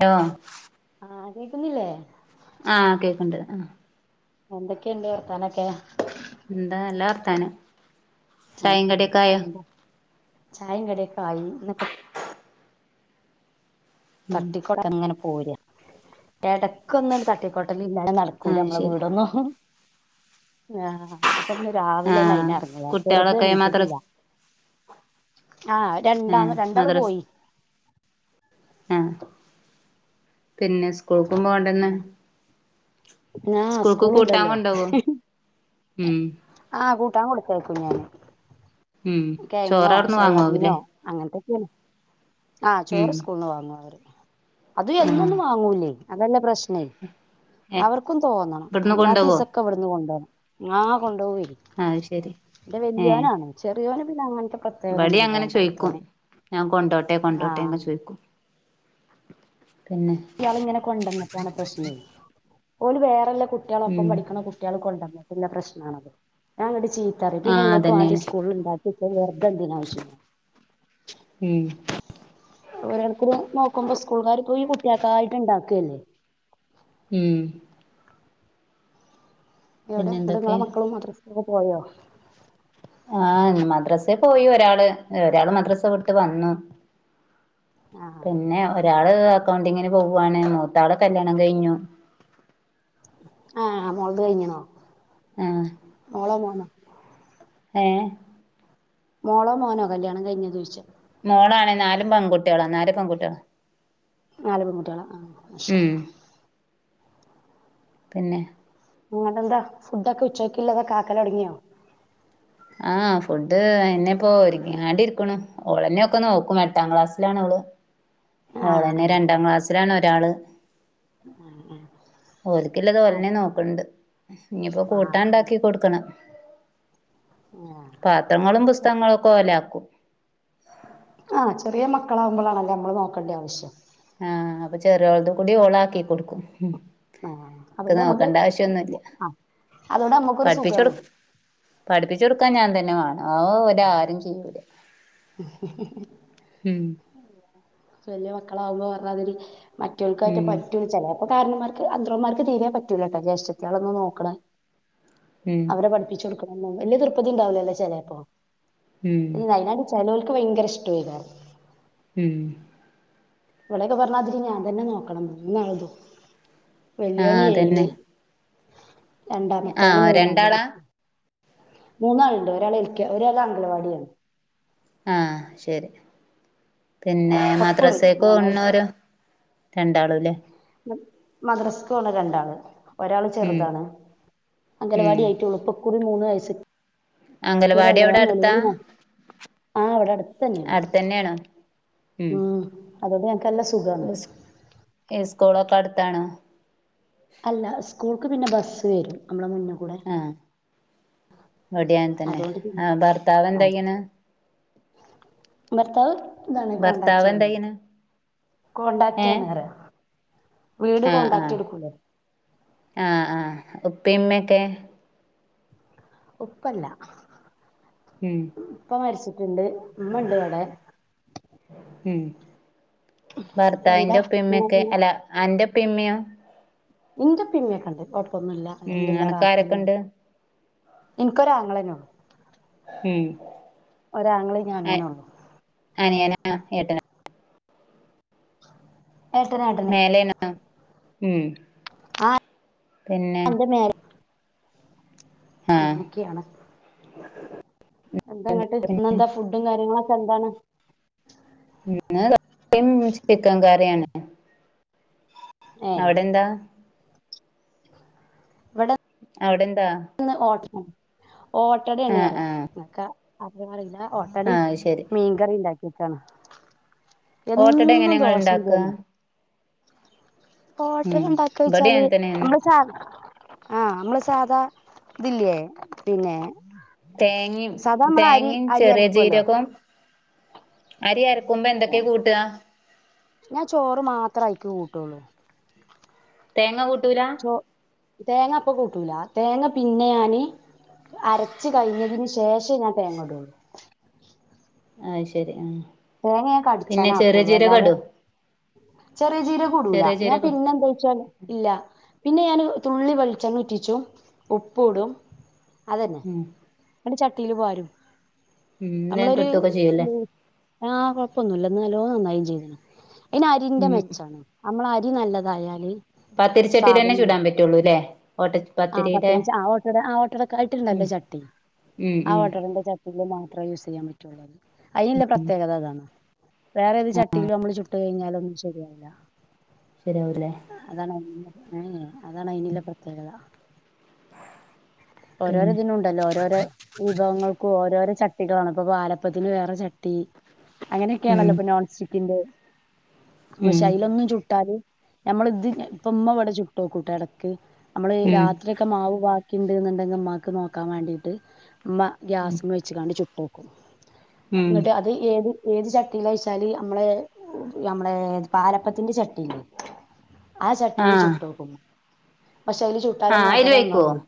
Loh ആഹ് കേക്കുന്നില്ലേ ആഹ് കേക്ക്‌ണ്ട് എന്തൊക്കേണ്ട് വർത്താനൊക്കെ എന്താ നല്ല വർത്താനം ആ ചായിം കടിയൊക്കെ ആയോ എന്താ ചായയും കടിയൊക്കായി എന്നൊക്ക ഉം തട്ടിക്കോട്ട അങ്ങനെ പോരാ ഇടക്കൊന്നങ്ങനെ തട്ടിക്കോട്ടൽ തില്ലാതെ നടക്കൂല ആഹ് നമ്മളെ ശരി വീടൊന്നും ഹ്ഹ അപ്പൊന്ന് രാവിലെന്നെ ആഹ് അയിനെറങ്ങീത ചെറുത് കുട്ട്യാളൊക്കെ എണീചിട്ടില്ല മദ്രസ് ആഹ രണ്ടാം ആഹ് രണ്ടാള് മദ്രസ് പോയി ആഹ് പിന്നെ സ്‌കൂൾക്കും പോണ്ടെന്ന് ഞാ സ്കൂളുണ്ടല്ലോ, ഹിഹിഹി ഉം ആഹ് കൂട്ടാൻ കൊടുക്കേർക്കും ഞാൻ ഉം കെയങ്ങോ ചോറവ്ട്ന്ന് വാങ്ങാവുല്ലേ സോയാബീനോ അങ്ങനത്തൊക്കേണ് ആ ഉം ചോറ് സ്കൂൾന്ന് വാങ്ങുഅവര് അതും ആഹ് എന്നൊന്നും വാങ്ങൂല്ലേയ് അതല്ല പ്രശ്നേയ് ഏഹ് അവർക്കും തോന്നണം ഇബട്ന്ന് കൊണ്ടോവോ അല്ലാത്തീസൊക്കെവ്ടെന്ന് കൊണ്ടോണം ഞാൻ കൊണ്ടോ അത് ശരി ന്റെ ഏഹ് വെല്യോന്നാണ് ചെറിയോന്ന് പിന്നെ അങ്ങൻതെ ഇബടിം പ്രത്യേകതൊന്നുമില്ല അങ്ങനെ ചോയ്ക്കും രണ്ടാമത്തോന് ഞാൻ കൊണ്ടോട്ടെ ആ കൊണ്ടോട്ടെന്ന് ചോയ്ക്കും പിന്നെ യാള് ഇങ്ങനെ കൊണ്ടന്നിട്ടാണ് പ്രശ്നെയ് ഓള് വേറെല്ലാം കുട്ട്യോളൊപ്പം ഉം പഠിക്ക്ണ കുട്ട്യാള് കൊണ്ടന്നിട്ട്ള്ള പ്രശ്നാണത് ഞാൻ ഇങ്ങക്ക് ചീ പിന്നെ ആഹ് ഇങ്ങക്ക് വാണ്ടി അതന്നേണ് സ്കൂളിൽ ഇണ്ടാക്കിച്ച വെറുതെന്തിന ആവശ്യന്നാ [inaudible] ഉം ഓരോർക്കും നോ നോക്കുമ്പോ സ്കൂൾുകാർ ഇപ്പൊ ഈ കുട്ട്യാൾക്കായിട്ട് ഇണ്ടാക്കല്ലേ ഉം എവിടെ പിന്നെ എന്തൊക്കെ നിങ്ങളെ മക്കളും മദൃസൊക്കെ പോയോ ആഹ മദ്രാസേ പോയി ഒരാള് ഒരാള് മദ്രാസ വിട്ടുവന്നു ആഹ് പിന്നെ ഒരാള് അക്കൗണ്ടിങ്ങനെ പോവുവാണ് മൂത്താളെ കല്യാണം കഴിഞ്ഞു ആഹ് മോളത് കഴിഞ്ഞണോ ആഹ് മോളോ മോനോ ഏ മോളോ മോനോ കല്യാണം കഴിഞ്ഞത് ചോയ്ച്ച മോളാണ നാലും പെൺകുട്ടികള നാല് പെൺുട്ടികള നാല് പെൺകുട്ടികള ആ മഷാഅല്ലാഹ് പിന്നെ നിങ്ങ എന്താ ഫുഡൊക്കെ ഉച്ചോക്കുള്ളതൊെകാക്കല് തുടങ്ങിയോ ആഹ ഫുഡ് എന്നെപ്പോൊ ഒരുങ്ങികാണ്ട് ഇരിക്ക്‌ണു ഓളന്നെ ഒക്കെ നോക്ക്ണ് എട്ടാം ക്ലാസ്സിലാണ് ഓള് അവള് ആഹ് ഓളന്നെ ആഹ് രണ്ടാം ക്ലാസ്സിലാണ് ഒരാള് [unintelligible] ഓല്ക്കില്ലത് ഓലെന്നെ നോക്കണ്ട്. ഇഞ്ഞിപ്പോ ആഹ് കൂട്ടാണ്ടാക്കി കൊടുക്കണം. ആഹ് പാത്രങ്ങളും പുസ്തകങ്ങളും ഒക്കെ ഓല് ആക്കും. ആ ചെറിയ മക്കളാവുമ്പോളാണല്ലേ നമ്മള് നോക്കേണ്ട ആവശ്യം. ആഹ അപ്പൊ ചെറിയോളത് കൂടി ഓളാക്കി കൊടുക്കും. മം ആഹ് ഇക്ക് അതോണ്ട് നമ്മക്ക് നോക്കേണ്ട ആവശ്യന്നുല്ല്യ ആഹ് അതോണ്ട് നമ്മക്കൊരു പഠിപ്പിച്ച് സുഖാണ് കൊടുക് പഠിപ്പിച്ചു കൊടുക്കാൻ ഞാൻ തന്നെ വേണം അത് ഓര് ആരും ചെയ്യൂല്ല. [inaudible] വല്യ മക്കളാകുമ്പോ പറഞ്ഞതിരി മറ്റൊൽകായിട്ട് ഉം പാറ്റു [unintelligible] പറഞ്ഞമാതിരിക് അത്രോംമാർക്ക് തീരെ പറ്റൂലാട്ടോ ജേഷ്ടത്തിയാളെ നോക്കണേ. ഉം അവരെ പഠിപ്പിച്ചു കൊടുക്കണം വല്ല്യ തൃപ്പതി ഉണ്ടാവൂലല്ലോ ചേലെപ്പോ. ഉം മം അയ്ന് വാണ്ടി ചേലോൽക് വയങ്കര ഇഷ്ട്ടയിക്കരിം. മം ഇവടെയൊക്കെ പറഞ്ഞാതിരി ഞാൻ തന്നെ നോക്കണം എന്ന എഴുത ആഹ് വെല്ലിയോൻ ഏഴില്. അതന്നെ രണ്ടാമത്തോൻ ആഹ് മൂന്നാ രണ്ടാളാ [unintelligible] മൂന്നാൾണ്ട് ഒരാൾ എൽക്കെ ഒരാൾ അംഗലവാടീണ്ട്. ആഹ ശെരി പിന്നെ അപ്പക്കുറി മദ്രാസെക്ക് മൂന്ന് വയസ്സ് പോകുന്നോരോ? രണ്ടാളുംലെ? മദ്രസ്ക്ക് പോണ രണ്ടാൾ ഒരാള് ഉം ചെറുതാണ് ഉം അംഗലവാടിയായിട്ടൊള്ളു ഇപ്പൊ പോ കുറി മൂന്ന് വയസ് ഇകുറി അംഗലവാടി അങ്കല അവിടെ അടുത്താ [unintelligible] ആ ഇവടെ അടുത്തെന്നെണ് അടുത്തന്നെയാണോ ഉം അതുകൊണ്ട് ഞങ്ങൾക്ക് നല്ല സുഖമാണ് ഇസ് ഇസ്കൂളൊക്കെ അടുത്താണോ? അല്ല സ്കൂൾക്ക് പിന്നെ ബസ്സ് വെരും ഞ മ്മള മുന്ന് കൂടെ. ഒടിയൻ തന്നെ അതുകൊണ്ട് പിന്നെ ആ ഭർത്താവ് ആ എന്തേയ്ണ്? ഭർത്താവ് ഇതാണ് കോണ്ടാക്റ്റ് പണിയാ ചെയ്യണ് ഏ കൊണ്ടററ്റാണ്. വീട് കൊണ്ടാക്റ്റ് ഇട്ക്കൂലേ? ആഹ ആഹ് ഉപ്പീമ്മിയൊക്കെ ഉപ്പല്ല ഉം ഉപ്പ മരിച്ച് [unintelligible] ണ്ട് ഇമ്മ ഇണ്ട് വടെ. മം ഭർത്താവിന്റെ എന്താ ഇങ്ങ- ഉപ്പിഇമ്മിയൊക്കെ ഇങ്ങ- അല്ല അന്റെ ഇപ്പിഇമ്മിയോ? ഇന്റെ ഇപ്പി ഇമ്മിയൊക്കെ ഇണ്ട്. കൊയപ്പൊന്നുല്ല. ഉം അല്ഹമ്ദുലില്ല അനക്ക് റാഹത്തെന്നെണ്. ആരൊക്കെണ്ട് ഇൻക്കൊരാങ്ങളെന്നെ ഉള്ളു ഉം ഒരാങ്ങളീം ഞാനെന്നെ ഒള്ളു. അനിയനാ ഏട്ടനാ? ഏട്ടനാ ഏട്ടന്. മം ആ [unintelligible] ആഹ് അങ്ങനെയൊക്കെയാണ്. എന്ത? ങ്ങട്ട് ഇന്നെന്താ ഫുഡും കാര്യങ്ങളൊക്കെ എന്താണ് [unintelligible] ചിക്കൻ കറിയാണ് ഏ അവിടെ എന്താ? അവിടെന്ത ന്ന് ഓ [unintelligible] ഓട്ടടെണ് ആഹ് അറിയ ആഹ് നിക്ക അറിയോ അറീല. ഓട്ടടിം ആഹ് അത് ശരി മീൻ കറി ഇണ്ടാക്കീക്കാണ്. ഓട്ടട എങ്ങനെ എന്നും ഇങ്ങള് ദോഷിം ഇണ്ടാക്കാ ഇതെന്നെ. ഹോട്ടൽ ഉം ഉണ്ടാക്കി ഇബടേം കഴിച്ചാല് അങ്ങൻതന്നേണ് നമ്മൾ സാ ആഹ് നമ്മള് സാധാ ഇതില്ലേ പിന്നെ തേങ്ങേം സാദാ മ്മളെ തേങ്ങേം അരി ചെറിയ അരക്കോലോ? ജീരകോം അരി അരക്കുമ്പോ ഏ എന്തൊക്കെ കൂട്ടാ ഞാൻ ചോറ് മാത്രയിക്ക് കൂട്ടുള്ളൂ. തേങ്ങ കൂട്ടൂലാ? തേങ്ങപ്പം കൂട്ടൂല തേങ്ങ പിന്നെ ഞാന് അരച്ച് കഴിഞ്ഞതിന് സ് ശേഷ ഞാന് തേങ്ങാടുള്ളു ആ ഹ് ശരി ആ തേങ്ങ ഞാന് പിന്നെ കടിച്ചാന് ചെറിയ ആകുള്ളൂ ജീരകം അല്ലാതെ ഇടോ പേരജീരകടൂല ചെറിയ ഞാൻ ജീരകം പിന്നെ തച്ചാൽ ഇല്ല പിന്നെ ഞാന് തുള്ളി വെള്ച്ചെണ്ണ ഉറ്റിച്ചും ഉപ്പുടും അതെന്നെ ഉം ങ്ങട്ട് ചട്ടീല് പാരും. ഉം വേഗം നമ്മളൊരു കിട്ടുവൊക്കെ ചെയ്യൂല്ലേ ഊ ആ് കൊഴപ്പൊന്നുമല്ല എന്നല്ലോ നന്നായും ചെയ്താണ് അതിന അരിന്റെ ഉം മെച്ചാണ് നമ്മളെ അരി നല്ലതായാൽ പത്തിരിച്ചട്ടീലെന്നെ ചുടാം പറ്റുള്ളുലെ അ പത്തിരി ചാ ഓട്ടട ആ ഓട്ടടക്കായിട്ട്ണ്ടല്ലോ ഒര് ഉം ചട്ടി ഉം ആ ഉം ഓട്ടടന്റെ ചട്ടീല് മാത്രം യൂസയ്യാം പറ്റുള്ളൂ റ്റുള്ളൂ ആയിനെള്ള പ്രത്യേകത അതാണ് വേറെത് ചട്ടീലും ഞമ്മള് ചുട്ട് കഴിഞ്ഞാലും ശരീവൂല ശരിയാവൂല്ലേ ഏ ഹേ അതാണ് അയിന്ള്ള പ്രതീകത പിന്നെ ഓരോരാതിനുണ്ടല്ലോ ഓരോര വിഭവങ്ങൾക്കു ഓരോര ച താണ് പ പലപ്പത്തിന് വേറ ചട്ടി ഉം അങ്ങനൊക്കെണല്ലോ ഇപ്പൊ നോൺസ്റ്റിക്കിന്റ് ഉം ക്ഷേ അയ്ലൊന്നും ചുട്ടാൽ ഞമ്മള് ത് പ്പ ഇമ്മ ഇവിടെ ചുട്ടോക്കും ട്ടാ എടക് ഞമ്മള് ഉം രാത്രിക്കാ മാവ് ബാ ക്കിണ്ട്ന്ന് ടങ്കി ഇമ്മാക് നോക്കാൻ വേണ്ടീട്ട് ഇമ്മ ഗ്യാസ്മ്മ വെച്ച് ചുട്ടോക്കും ഉം ങ്ങട്ട് അത് ഏത് ഏത് ചട്ടിലാ ചൊയ്ച്ചാൽ ഞമ്മളെ ഞമ്മളെ പാലപ്പത്തിന്റെ ചട്ടില്ലേ ആ ചട്ടീല് ആഹ് ചുട്ടോകും പക്ഷേ അയിൽ ആഹ് ചുട്ടാലൊന്നും ഓട്ടട അയില് വെക്കുവോ നന്നാവുലെ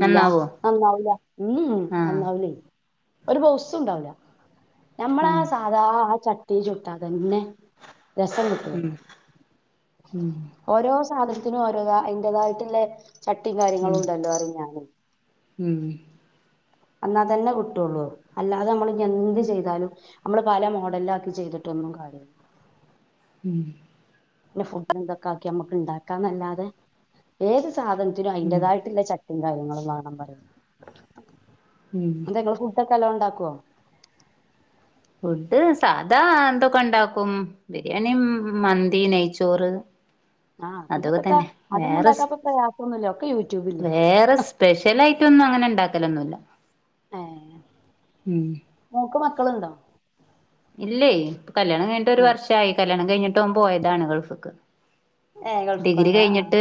ഇല്ല നന്നാവോ നന്നാവുല മ് ആഹ് നന്നാവുലെ ഒരു ബൗസുണ്ടാവില്ല ഞമ്മളെ അ ആഹ് സാദാ അ ച ട്ടി ചുട്ടാതന്നെ രസം കിട്ടുള്ളു ഉം ഉം ഓരോ സാധനത്തിന് ഓരോ താ അയിന്റതായിട്ടില്ലേ ചട്ടിം ഉം കാര്യങ്ങളുണ്ടല്ലോറിം ഞാന് ഉം അന്നതന്നെ കിട്ടുള്ളു അല്ലാതെ മ്മള് ഞെന്ത് ചെയ്താലും ഞമ്മള് പല മോഡലാകി ചെയ്ത് ട്ടൊന്നും കാര്യല്ലാ ഉം ന്നെ ഫുണ്ട് ന്തൊക്കെ ആക്കി ഞമ്മക് ഇണ്ടാകാ ന്നല്ലാതെ ഏത് സാധനത്തിനും ഉം ആയിണ്ടതായിട്ടള്ള ച ട്ടിം കാര്യങ്ങളും വാണം ന്ന് പറയും ഉം അതെ ങ്ങള് ഫുഡൊ ക്കെ നല്ലോണ്ടാക്കോ ഫുഡ് സാധാ തൊക്കെ ണ്ടാകും ബിരിയാണി മന്തി നെയ്ചോറ് ആഹ് പിന്നെപ്പത്താ അതൊക്കെതന്നെ അതൊന്നും വേറെസ് ഉണ്ടാക്കാപ്പൊ പ്രയാസമൊന്നുമില്ല ഒക്കെ യൂട്യൂബില്ലേ വേറെ സ്പെഷലയി ട്ടൊന്നും അങ്ങനെ ഇണ്ടാക്കലൊന്നുല്ലാ ഉം ക്കളുണ്ടോ ഇല്ലേ കല്യാണം കഴിഞ്ഞിട്ട് ഒരു വർഷായി കല്യാണം കഴിഞ്ഞിട്ട് ഓൻ പോയതാണ് ഗൾഫ്ക് ഏഹ് ഗൾഫിൽ ഡിഗ്രി പോയതാ ആഹ് കഴിഞ്ഞിട്ട്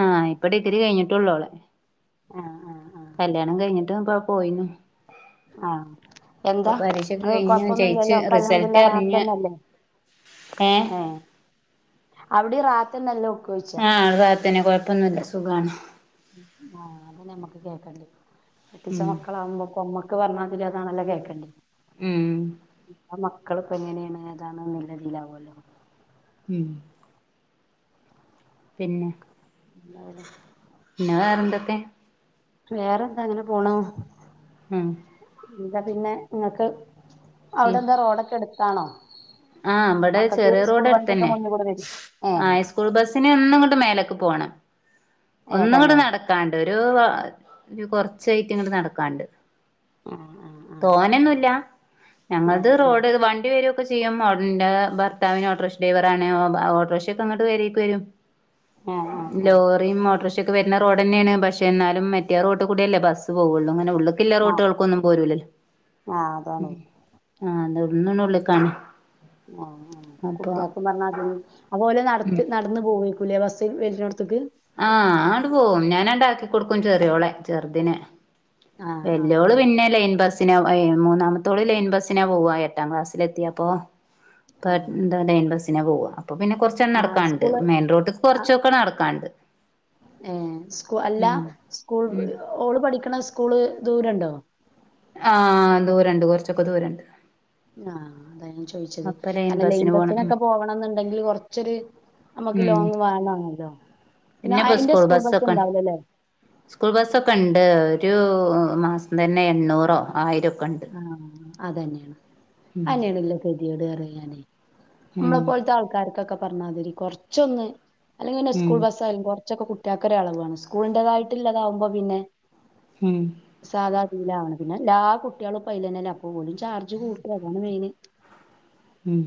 ആ ഇപ്പം ഡിഗ്രി കഴിഞ്ഞിട്ടുള്ളു അവളെ ആഹ് ആഹ് ആഹ് കല്ലിയാണം കഴിഞ്ഞിട്ടപ്പം പൊയിന് ആഹ് എന്താ പരീക്ഷൊക്കെ ങ്ങക്ക് കഴിഞ്ഞ് ജയിച്ച് കൊയപ്പന്നുല്ലല്ലോ ഒക്കെ റിസൾട്ട് അൽഹംദുലില്ലാഹ് അറിഞ്ഞ് റാഹതന്നല്ലേ ഏഹ് ഏ അവടിം റാഹതന്നെല്ലേ ആ ഇവിടെ റാഹതന്നെ കൊയപ്പന്നുല്ല സുഗാണ് ആ അതെന്നെ ഞമ്മക് കേൾക്കണ്ടി കെട്ടിച്ച ഉം മക്കളാവുമ്പോ മക് ക്ക് പറഞ്ഞയതാനില്ലോ കേക്കണ്ടിയെ ഉം മക്കളിപ്പങ്ങനാണി ഏതാണ്ന്നള്ളതിലാവോല്ലോ ഉം പിന്നെ എന്തായാലും പിന്നെ വേറെന്തൊക്കെ വേറെന്താ അങ്ങനെ പോണു ഉം എന്താ പിന്നെ ഇങ്ങക്ക് അവിടെന്താ റോഡൊക്കെ അടുത്താണോ ആ ഇവടെ ചെറിയ റോഡ് വണ്ടിയൊക്കെ എട്ത്തന്നെ മുന്നിൽ കൂടെ വരും ആ ഏഹ് സ്കൂൾ ബസ്സിന് എന്നും ഇങ്ങട്ട് മേലേക്ക് പോണം ഏഹ് ഒന്നിങ്ങട് തന്നെ നടക്കാൻണ്ട് ഒരു ഒരു കൊറച്ചായിട്ട് ഇങ്ങട്ട് നടക്കാൻണ്ട് ആഹ് ആഹ് തോനൊന്നുല്ല ഞങ്ങളത് ആഹ് റോഡ് ആഹ് വണ്ടിവരും ചെയ്യാൻ പാടുണ്ട് ഭർത്താവിന് ഓട്ടോറിക്ഷ ഡ്രൈവറാണ് ഓട്ടോറിക്ഷ ഒക്കെ അങ്ങ് പെരേക്ക് വരും ആഹ് ആഹ് ആഹ് ആഹ് ലോറിയും ഓട്ടോറിഷക്കെ വര്ണ റോഡന്നെയാണ് പക്ഷേന്നാലും മറ്റേ റോഡ കൂടെല്ലേ ബസ് പോകുള്ളൂ മ ഉള്ളിക്കില്ല ആഹ് റോട്ടുകൾക്കൊന്നും പോരൂല ആഹ് അതാണ് ആ ന്നാ വിളി ഇന്നുനുള്ളേക്കാണ് ആ ആ കുട്ടികൾക്കും പറഞ്ഞാ അതി അതുപോലെ ഉം നടത്തി നടന്ന് പോകും പുലയ വാസി വരനോടത്തക്ക് ആഹ് അങ്ങട് പോകും ഞാനങ്ങടാക്കി കൊടുക്കും ചെറിയോളെ ചെറുതിനെ ആഹ് ആഹ് വെല്യോള് ആഹ് പിന്നെ ലൈൻ ബസ് പിന്നെ ആ മൂന്നാമത്തോള് ലൈൻ ബസിനാ പോവാ എട്ടാം ക്ലാസ്സിലെത്തിയപ്പൊ ആഹ് കട്ന്താ [unintelligible] ലൈൻ ബസിലാ പോവാ അപ്പൊ പിന്നെ കുറച്ചങ്ങ് ആഹ് നടക്കാണ്ട് സ്കൂള് മെയിൻ റോഡ്ക്ക്‌ കുറച്ചൊക്കെ നടക്കാണ്ട് ഏ സ്കൂ അല്ല ഉം സ്കൂൾ ഉം ഓള് പഠിക്കണ സ്കൂള് ദൂരണ്ടോ ആ ദൂരണ്ട് കൊറച്ചൊക്കെ ദൂരണ്ട് ആ അതാ ഞാൻ ചോദിച്ചത് അപ്പൊ കാരണം ലൈൻ ബസ്സിന് പോണം ഉം ബേസിലൊക്കെ പോവണന്നുണ്ടെങ്കിൽ കുറച്ചൊരു- നമ്മക്ക് ലോങ്ങ് വേണണല്ലോ പിന്നെപ്പോ സ്കൂൾ ബസ്സൊക്കെ സ്കൂൾ ബസ്സൊക്കെണ്ട് ഒരു മാസം തന്നെ എണ്ണൂറോ ആയിരോ- ആ അതന്നെയാണ് ഉം അയിനാണല്ലേ ഗതികേട് അറിയാനേ ഉം നമ്മളെപ്പോലത്തെ ആൾക്കാർക്കൊക്കെ പറഞ്ഞാതിരി കൊറച്ച്- കുറച്ചൊന്ന് അല്ലെങ്കിൽന്നെ ഉം സ്കൂൾ ബസ് ആയാലും കൊ കൊറച്ചൊക്കെ കുട്ടികൾക്കൊരു എളവ് വേണം സ്കൂളിന്റെതായിട്ടുള്ളതാകുമ്പപിന്നെ ഈമ് പിന്നെ എല്ലാ കുട്ടികളും ഇപ്പ അയില് തന്നെല്ലേ അപ്പ ഓനും ചാർജ് കൂട്ടും അതാണ് മെയിന് ഉം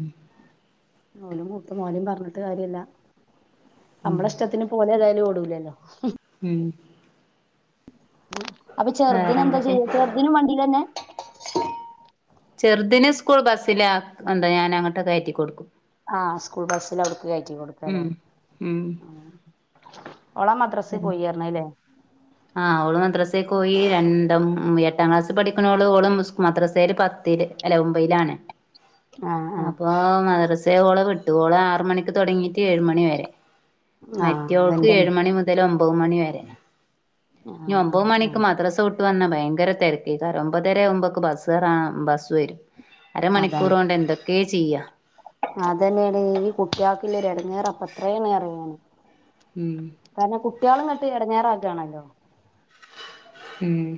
മോളും മൂത്ത മോനും പറഞ്ഞിട്ട് കാര്യല്ല ഉം നമ്മള ഇഷ്ടത്തിന് പോന്നല്ലേ വണ്ടി ഓടൂലല്ലോ ഹും ഉം അപ്പൊ ചെറുതിനെന്താ വേറെന്തൊക്കെ ചെയ്യ ചെറുതിനും വണ്ടീലന്നെ ചെറുതിന് സ്കൂൾ ബസ്സില കൊണ്ട് ഞാനങ്ങട്ട് കേറ്റികൊടുക്കും ആ സ്കൂൾ ബസില് അവിടുക്ക് കേറ്റി കൊടുക്കുവല്ലേ ഉം ഉം മദ്രാസ പോയാരുന്നല്ലേ ആ ഓള് മദ്രസക്ക് പോയി രണ്ടും എട്ടാം ക്ലാസ്സിൽ പഠിക്കണോള് ഓളും സ്കൂൾ മദ്രസയില് പത്ത് അല്ല ഒമ്പയിലാണ് ആ ആ അപ്പോ മദർസെ ഓളെ വിട്ടു ഓളെ ആറു മണിക്ക്- തുടങ്ങീട്ട് ഏഴ് മണി വരെ ആ മറ്റോൾക്കു അതെന്റെ ഏഴ് മണി മുതൽ ഒമ്പത് മണി വരെ ആ ഇനി ആ ഒമ്പത് ആ മണിക്ക് മദ്രസ വി വന്ന ഭയങ്കര തിരക്ക് ഇതാരോ ഒമ്പതരെ ആകുമ്പോക്കെ ബസ് കേറാൻ ബസ് വരും അരമണിക്കൂർ അതാണ് കൊണ്ട് എന്തൊക്കെ ചെയ്യാ അതന്നെയാണ് ഈ കുട്ടിയാക്കുള്ള എടങ്ങേറ് അപ്പ- എറങ്ങേണ് എറങ്ങേണ് ഉം കാരണം ആ കുട്ടികള് ഇങ്ങട്ട് എടങ്ങേറാക്കാണല്ലോ ഈമ്മ്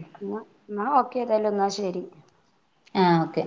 എന്നാ ഓക്കേ ഏതായാലും അന്നാ ശെരി ആ ഓക്കെ